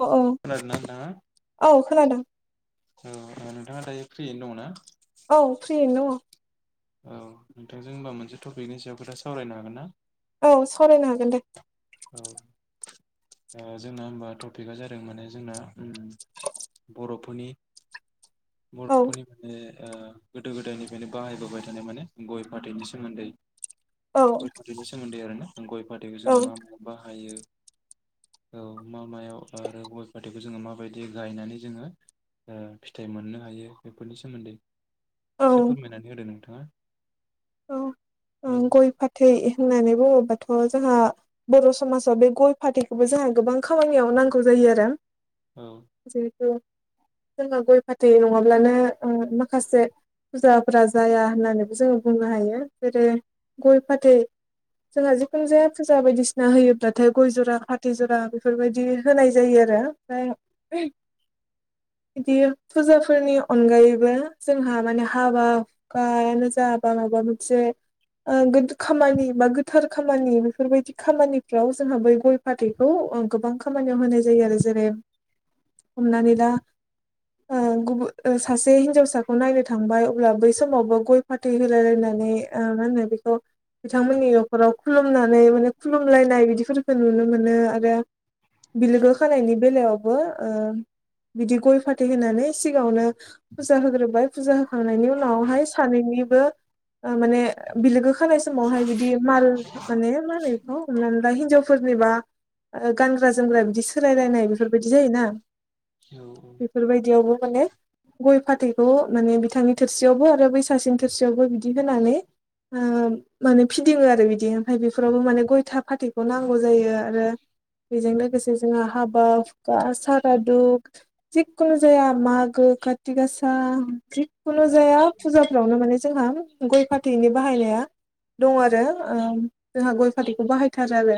औ औ खोनादों ना नोंथाङा औ खोनादों औ नोंथाङा दायो फ्रियैनो दङ ना औ फ्रियैनो दङ औ नोंथांजों होमबा मोनसे टपिकनि सायाव खोथा सावरायनो हागोन ना औ सावरायनो हागोन दे औ ओ जोंना होनबा टपिकआ जादों माने जोंना उम बर'फोरनि औ बर'फोरनि माने ओ गोदो गोदायनिफ्रायनो बाहायबोबाय थानाय माने गय फाथैनि सोमोन्दै औ गय फाथैनि सोमोन्दै आरोना गय फाथैखौ औ जोङो मा मायाव बाहायो औ मा मायाव आरो गय फाथैखौ जोङो माबायदि गायनानै जोङो ओ फिथाइ मोननो हायो बेफोरनि सोमोन्दै औ एसे फोरमायनानै होदो नोंथाङा औ औ ओं गय फाथै होननानै बुङोबाथ' जोंहा बर' समाजाव बे गय फाथैखौबो जोंहा गोबां खामानियाव नांगौ जायो आरो औ जिहेथु जोङो गय फाथै नङाब्लानो ओ माखासे फुजाफोरा जाया होननानैबो जोङो बुंनो हायो जेरै गय फाथै जोंहा जिखुनु जाया फुजा बायदिसिना होयोब्लाथाय गय जरा फाथै जरा बेफोरबायदि होनाय जायो आरो उमफ्राय उम बिदि फुजाफोरनि अनगायैबो जोंहा माने हाबा हुखायानो जा बा माबा मोनसे ओं खामानि बा गोथार खामानि बेफोरबायदि खामानिफ्राव जोंहा बै गय फाथैखौ गोबां खामानियाव होनाय जायो आरो जेरै लांदां हमनानै ला ओ गुबुन सासे हिनजावसाखौ नायनो थांबाय अब्ला बै समावबो गय फथै होलायलायनानै मा होनो बेखौ बिथांमोननि न नखराव खुलुमनानै माने खुलुमलायनाय बिदिफोरखौ नुनो मोनो आरो बिलोगो खानायनि बेलायावबो ओ बिदि गय फाथै होनानै सिगाङावनो फुजा होग्रोबाय फुजा होंखांनायनि उनावहाय सानैनि माने बिलोगो खानाय समावहाय बिदि माल माने मा होनो बिखौ हमनानै ला हिनजाव फोरनिबा ओ गानग्रा जोमग्रा बिदि सो सोलाय लायनाय बिफोरबायदि जायोना औ बेफोर बायदियावबो माने गय फाथैखौ माने बिथांनि थोरसियावबो आरो बै सासेनि थोर थोरसियावबो बिदि होनानै ओ माने फिदिङो आरो बिदि ओमफ्राय बेफोरावबो माने गय था फाथैखौ नांगौ जायो आरो बेजों लोगोसे जोंहा हाबा बा सारादु जिखुनु जाया मागो काति गासि दा जिखुनु जाया फुजाफ्रावनो माने जोंहा गय फाथैनि बाहायनाया दं आरो ओ जोंहा गय फाथैखौ बाहायथारो आरो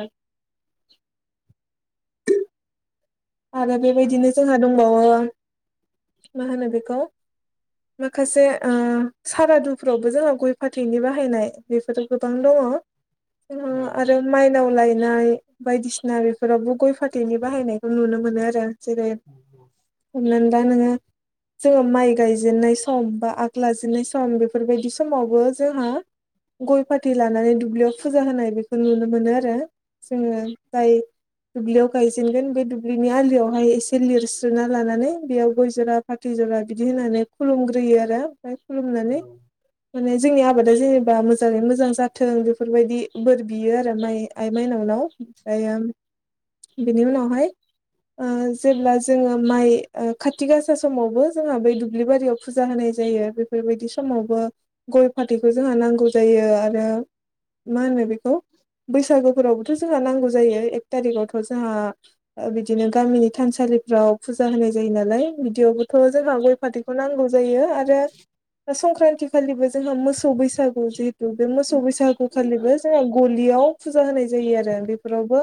आरो बेबायदिनो जोंहा दंबावो मा होनो बेखौ माखासे ओ सारादुफ्रावबो जोंहा गय फाथैनि बाहायनाय बेफोरथ' गोबां दङ। औ आरो मायनाव लायनाय बायदिसिना बेफोरावबो गय फाथैनि बाहायनाय नुनो मोनो आरो जेरै - [unintelligible] हमनानै ला नोङो जोङो माइ गायजेननाय सम बा आग लाजेनाय सम बेफोरबायदि समावबो जोंहा गय फााथै लानानै दुब्लियाव फुजा होनाय बेखौ नुनो मोनो आरो। जोङो जाय दुब्लियाव गायजेनगोन बे दु ब्लिनि आलियावहाय एसे लिरस्रोना लानानै बेयाव गय जरा फाथै जरा बिदि होनानै खुलुमग्रोयो आरो ओमफ्राय खुलुमनानै औ माने जोंनि आबादा जेनेबा मोजाङै मोजां जाथों बेफोरबायदि बोर बियो आरो माइ आइ माइनावनाव। ओमफ्रायो बिनि उनावहाय ओ जेब्ला जोङो माइ खााथि गासा समावबो जोंहा बै दुब्लि बारियाव फुजा होनाय जायो। बे बेबायदि समावबो गय फाथैखौ जोंहा नांगौ जायो आरो मा होनो बेखौ बैसागोफोरावबोथ' जोंहा नांगौ जायो एक थारिकआवथ' जोंहा ओ बिदिनो गामिनि थानसालिफ्राव फुजा होनाय जायो नालाय बिदियावबो थ' जोंहा गय फाथैखौ नांगौ जायो आरो संक्रान्ति खालिबो जोंहा मोसौ बैसागु जिहेथु बे मोसौ बैसागु खालिबो जोंहा गलियाव फुजा होनाय जायो आरो बेफोरावबो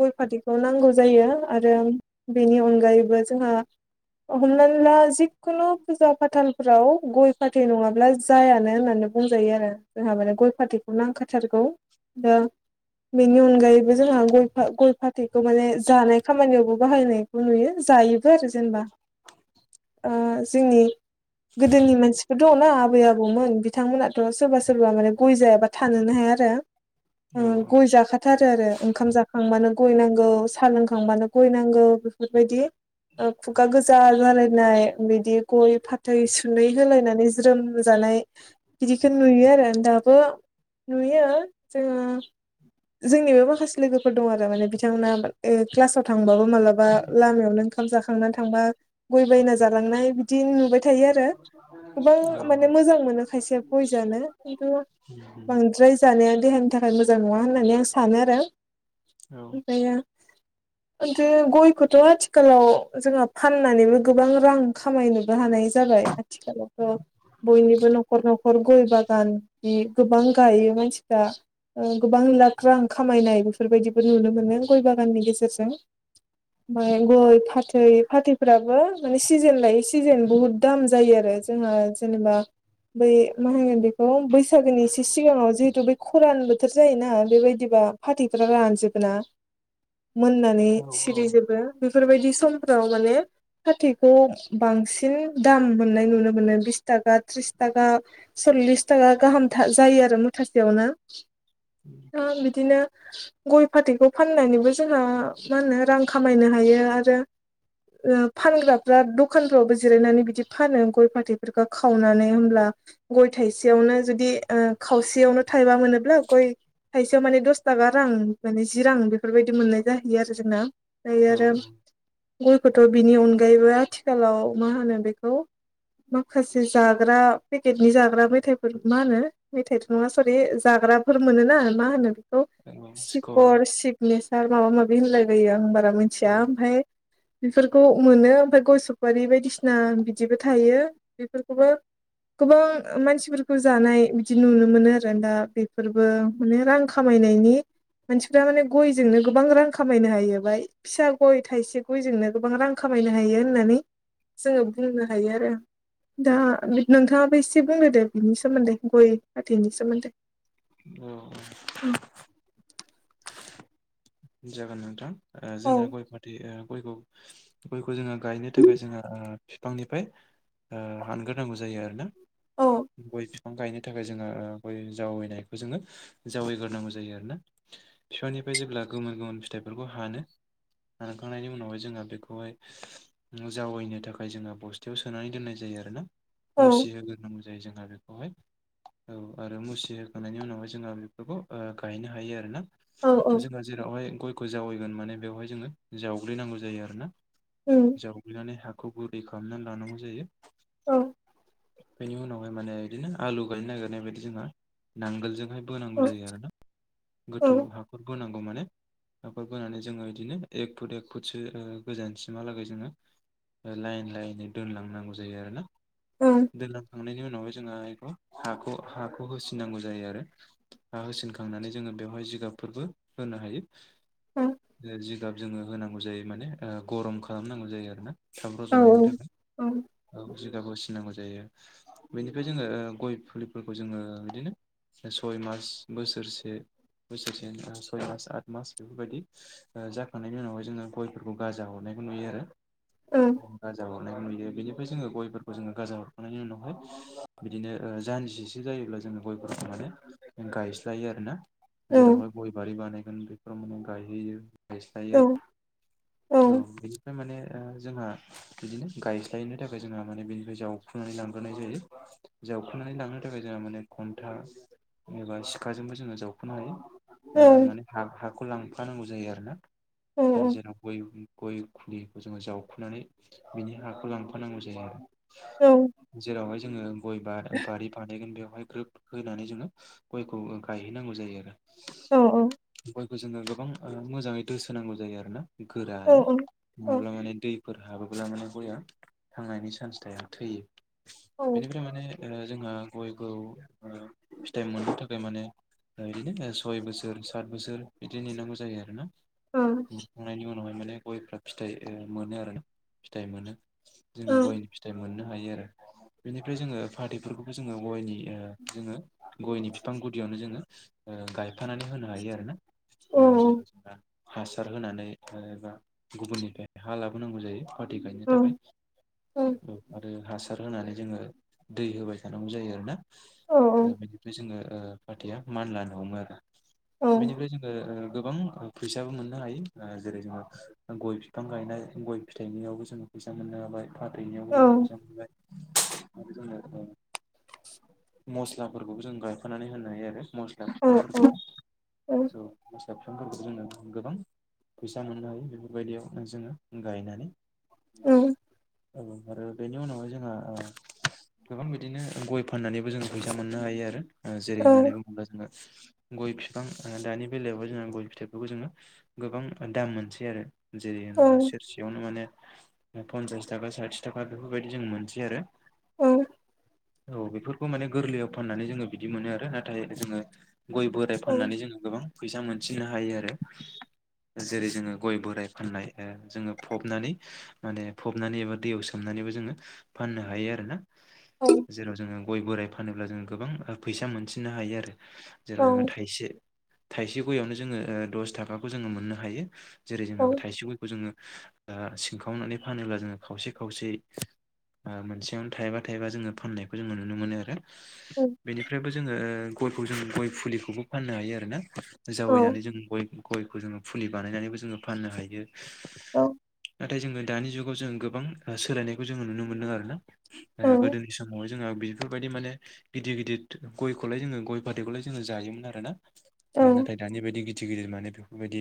गय फाथैखौ नांगौ जायो। आरो बेनि अनगायैबो जोंहा हमनानै ला जि खुनु फुजा फाथालफोराव गय-फाथै नङाब्ला जायानो होननानै बुंजायो आरो। जोंहा माने गय फाथैखौ नांखारथारगौ। दा बेनि अनगायैबो जोंहा गय फा गय फाथैखौ माने जानाय खामानियावबो बाहायनायखौ नुयो जायोबो आरो जेनबा। ओ जोंनि गोदोनि मानसिफोर दङ ना आबै आबौमोन बिथांमोनाथ' सोरबा सोरबा माने गय जायाबा थानोनो हाया आरो। [inaudible] उम गय जाखाथारो आरो ओंखाम जाखांबानो गय नांगौ। साहा लोंखांबानो गयनांगौ बेफोरबायदि। ओ खुगा गोजा जालायनाय बिदि गय फाथै सुनै होलायनानै जा ज्रोम जानाय। बिदिखौ नुयो आरो दाबो नुयो जोङो। जोंनिबो माखासे लोगोफोर दं आरो माने बिथांमोना। ओ क्लासाव थांबाबो मालाबा लामायावनो ओंखाम जाखांनानै थांबा। गय बायना जालांनाय बिदि नुबाय थायो आरो। गोबां औ माने मोजां मोनो खायसे गय जानो खिन्थु बांद्राय जानाया देहानि थाखाय मोजां नङा होननानै आं सानो आरो। ओमफ्रायो खिनथु गयखौथ' आथिखालाव जोंहा फाननानैबो गोबां रां खामायनोबो हानाय जाबाय आ थिखालावथ' बयनिबो न'खराव न'खर न'खर गय बागान बिदि गोबां गायो मानसिफ्रा। ओ गोबां लाख रां खामायनाय बेफोरबायदिबो नुनो मोनो गय बागाननि गेजेरजों। ओमफ्राय गय फाथै फाथैफोराबो माने सिजोन लायै सिजोन बुहुत दाम जायो आरो। जोंहा जेनेबा। बै मा होनगोन बेखौ बैसागोनि एसे सिगाङाव जिहेतु बेै खरान बोथोर जायोना बेबायदिबा। फाथैफोरा रानजोबो ना। मोननानै औ औ सिरिजोबो बेफोरबायदि समफ्राव माने फाथैखौ, बांसिन दाम मोननाय नुनो मोनो बिस थाखा थ्रिस थाखा। सल्लिस, थाखा गाहाम जायो आरो मुथासेयावनो। उम दा बिदिनो गय फाथैखौ फाननानैबो जोंहा मा होनो रां खामायनो हायो आरो ओ फानग्राफ्रा दखानफ्रावबो जिरायनानै बिदि फानो गय फाथैफोरखौ खावनानै होमब्ला गय थाइसेयावनो जुदि, ओ खावसेयावनो थाइबा मोनोब्ला गय थाइसेयाव माने दस थाखा रां माने जिरां बेफोरबायदि मोननाय जाहैयो आरो जोंना ओमफ्राय औ आरो गयखौथ' बिनि अनगायैबो आथिखालाव मा होनो बिखौ माखासे, जाग्रा पेकेटनि जाग्रा मेथाइफोर मा होनो? मेथाइथ' नङा सरि जाग्राफोर मोनोना मा होनो बेखौ औ सिप्स स्कर सिगनेसार माबा माबि होनलाय लायो आं बारा औ मिथिया ओमफ्राय बेफोरखौ मोनो ओमफ्राय गय सफारि बायदिसिना बिदिबो थायो बिफोरखौबो गोबां मानसिफोरखौ जानाय बिदि नुनो मोनो आरो दा बेफोरबो माने रां खामायनायनि मानसिफ्रा माने गयजोंनो गोबां रां खामायनो हाबाय। फिसा गय थाइसे गयजोंनो गोबां रां खामायनो हायो होननानै जोङो बुंनो हायो आरो। दा नोंथाङाबो एसे बुंदो दे बिनि सोमोन्दै गय फाथैनि सोमोन्दै अ औ जागोन नोंथां औ जोंना गय फाथै ओ गयखौ गयखौ जोङो गायनो थाखाय जोङो बिफांनिफ्राय हानग्रो नांगौ जायो आरो ना। औ गय बिफां गायनो थाखाय जोंहा गय जावैनायखौ जोङो जावायग्रोनांगौ जायो आरो ना बिफांनिफ्राय जेब्ला गोमोन गोमोन फिथाइफोरखौ हानो हानखांनायनि उनावहाय जोंहा बेखौहाय जावैनो थाखाय जोङो बस्थायाव सोनानै दोननाय जायो आरो ना औ मुसिहोग्रोनांगौ। जेरै जोङो बेखौहाय औ आरो मुसि होखांनायनि उनावहाय जोङो बेफोरखौ गायनो हायो आरो ना। औ औ जोंहा जेरावहाय गयखौ जावैगोन माने बेवहाय जोङो जावग्लिनांगौ जायो आरोना। उम जावग्लिनानै हाखौ गुरै खालामनानै लानांगौ जायो। औ बेनि उनावहाय माने बिदिनो आलु गायनो नागिरनाय बायदि जोंहा नांगोलजोंहाय बोनांगौ औ जायो आरो ना। गोथौ औ हाखर गोनां खौ माने नाफोर बोनानै जोङो बिदिनो एक फुट एक फुटसो गोजानसिमहालागै जोङो लाइन लाइनै दोनलांनांगौ जायो आरोना औ दोनलां खांनायनि उनावहाय जोंहा बेखौ हाखौ हाखौ होसिननांगौ जायो आरो। हा होसिनखांनानै जोङो बेवहाय जिगाबफोरबो होनो हायो जि गाब जोङो होनांगौ जायो माने गरम खालामनांगौ जायो आरोना थाब औ रज'नायनि थाखाय। औ जिगाब होनसिन नांगौ जायो बेनिफ्राय जोङो गय फुलिफोरखौ जोङो बिदिनो सय मास बोसोरसे बोसोरसे सय मास आद मास बेफोरबायदि जाखांनायनि उनावहाय जोङो गयफोरखौ गाजा हरनायखौ नुयो आरो ओं गाजा हरनायखौ नुयो बेनिफ्राय जोङो गयफोरखौ जोङो गाजा हरखांनायनि उनावहाय बिदिनो ओ जानजि बिदि जायोब्ला जोङो गयफोरखौ माने गायस्लायो आरोना। औ औ जेरावहाय गय बारि बानायगोन बेफोराव माने गायहैयो गायस्लायो आरो उ। औ बिदिफ्राय माने दा जोंहा बिदिनो गायज्लायनो थाखाय जोंहा माने बेनिफ्राय जावखुनानै लांग्रोनाय जायो। जावखुनानै लांनो थाखाय जोंहा माने खनथा एबा सिखाजोंबो जोङो जावखनो हायो ओ माने हा हाखौ लांफानांगौ जायो आरो ना जेराव गय खुलिखौ जोङो जावखुनानै बिनि हाखौ लांफानांगौ जायो आरो औ। जेरावहाय जोङो गय बारि बानायगोन बेवहाय ग्रोब होनानै जोङो गयखौ गायहैनांगौ जायो आरो औ गयखौ जोङो गोबां मोजाङै दोसोनांगौ जायो आरो ना गोरायानो। नङाब्ला माने दैफोर हाबोब्ला माने गया थांनायनि चान्स थाया थैयो। बेनिफ्राय माने ओ जोंहा गयखौ फिथाइ मोननो थाखाय माने ओ बिदिनो सय बोसोर साथ बोसोर बिदि नेनांगौ जायो आरोना। मोनखांनायनि उनावहाय माने गयफ्रा फिथाइ मोनो आरो ना फिथाइ मोनो। जोङो गयनि फिथाइ मोननो हायो आरो बेनिफ्राय जोङो फाथैफोरखौबो जोङो गयनि ओ जोङो गयनि बिफां गुदियावनो जोङो गायफानानै होनो हायो आरोना ओ जेराव जों हासार होनानै ओ एबा गुबुननिफ्राय हा लाबोनांगौ जायो। पाथै गायनो थाखाय आरो हासार हासार होनानै जोङो दै होबाय थानांगौ जायो आरोना बेनिफ्राय जोङो ओ पाथैया मान लानो हमो आरो बेनिफ्राय जोङो गोबां फैसाबो मोननो हायो ओ जेरै जोङो गय बिफां गायनाय गय फिथाइनियावबो जोङो फैसा मोननो हाबाय फाथैनायावबो जोङो फैसा मोनबाय मस्लाफोरखौबो जों गायफानानै होनो हायो आरो मस्ला बिफां फोरखौ औ बिफांफोरखौ गोबां [unintelligible] फैसा मोननो हायो बेफोरबायदियावनो जोङो गायनानै [unintelligible] औ आरो बेनि उनावहाय जोंङो ओ गोबां बिदिनो गय फाननानैबो जोंङो फैसा मोननो हायो आरो ओ जेरै होन्नानै बुङोब्ला जोङो गय फिफां ओ दानि बेलायावहाय जोंहा गय फिथाइफोरखौ जोङो गोबां दाम मोनसै आरो जेरै सेरसेयावनो माने पन्सास थाखा साथि थाखा बेफोरबायदि जों मोनसै आरो औ। औ बेफोरखौ माने गोरलैयाव फाननानै जोङो बिदि मोनो आरो नाथाय जोङो गय बोराइ फाननानै जोङो गोबां फैसा मोनसिननो हायो आरो जेरै जोङो गय बोराइ फाननाय ओ जोङो फबनानै माने फबनानै एबा दैयाव सोमनानैबो जोङो फाननो हायो आरो ना जेराव जोङो गय बोराइ फानोब्ला जोंङो गोबां फैसा मोनसिननो हायो आरो जेराव जोङो थाइसे थाइसे गयावनो जोङो दस थाखाखौ जोङो मोननो हायो। जेरै जोङो थाइसे गयखौ जोङो सिंखावनानै फानोब्ला जोङो खावसे खावसे ओ मोनसेयावनो थायबा थायबा जोङो फाननायखौ जोङो नुनो मोनो आरो बेनिफ्रायबो जोङो ओ गयखौ जो गय फुलिखौबो फाननो हायो आरोना जावैनानै जों ग गयखौ जोङो फुलि बानायनानैबो जोङो फाननो हायो। नाथाय जोङो दानि जुगाव जों गोबां सोलायनायखौ जोङो नुनो मोन्दों आरो ना गोदोनि समावह जोंङो बेफोरबायदि माने गिदिर गिदिर गयखौलाय जोङो गय फाथैखौलाय जोङो जायोमोन आर ना ओ नााथाय‌ दानि बायदि गिदिर गिदिर माने बे बेबायदि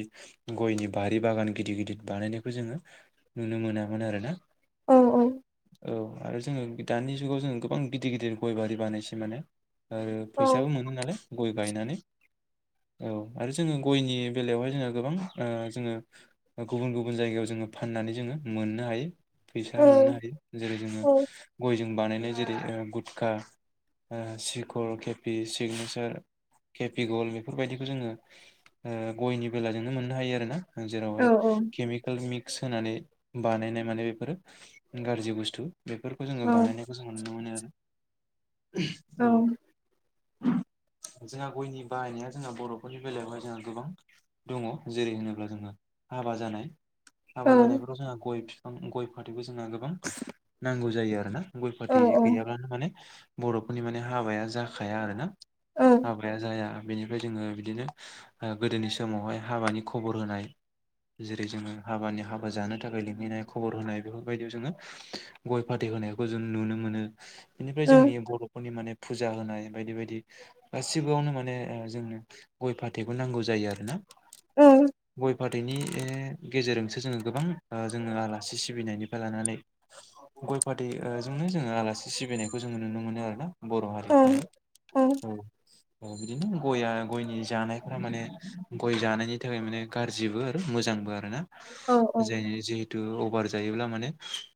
गयनि बारि बागान गिदिर गिदिर बानायनायखौ जोङो नुनो मोनामोन आरोना औ औ औ आरो जोङो दानि जुगाव जोङो गोबां गिदिर गिदिर गय बारि बानायसै माने आरो फैसाबो मोनो नालाय गय गायनानै औ आरो जोङो गयनि बेलायावहाय जोङो गोबां ओ जोङो गुबुन गुबुन जायगायाव जोङो फाननानै जोङो मोननो हायो। फैसा मोननो हायो जेरै जोङो गयजों बानायनाय जेरै गुटखा ओ सिकर केपि सिगनेसार केपि गल बेफोरबायदिखौ जोङो गयनि बेलाजोंनो मोननो हायो ना जेरावहाय खेमिकेल मिक सोनानै बानायनाय माने बेफोरो गाज्रि बुस्थु बेफोरखौ जोङो बानायनाय जों नुनो मोनो आरो ओम जोंहा गयनि बाहायनाया जोंहा बर'फोरनि बेलायावहाय जोंहा गोबां दङ जेरै होनोब्ला जोङो हाबा जानाय हाबा जानायफोराव जोंहा गय गय फाथैबो जोंहा गोबां नांगौ जायो आरोना गय फाथै गैयाब्लानो माने बर'फोरनि माने हाबाया जाखाया आरो ना हाबाया जाया बेनिफ्राय जोङो बिदिनो ओ गोदोनि समावहाय हाबानि खबर होनाय जेरै जोङो हाबानि हाबा जानो थाखाय लिंहैनाय खबर होनाय बेफोरबायदियाव जोङो गय फाथै होनायखौ जों नुनो मोनो बेनिफ्राय जोंनि बर'फोरनि माने फुजा होनाय बायदि बायदि गासिबोआवनो माने जोंनो गय फाथैखौ नांगौ जायो आरो। ना गय फाथैनि बे गेजेरजोंसो जोंङो गोबां जोंङो आलासि सिबिनायनिफ्राय लानानै गय फाथै ओ जोंङो आलासि सिबिनायखौ जोंङो नुनो मोनो आरोना बर' हारिफ्रावहाय। औव अ बिदिनो गयआ गयनि जानायनिफ्राय माने गय जानायनि थाखाय माने गाज्रिबो आरो मोजांबो आरो ना जाय जि दो अभार जायोब्ला माने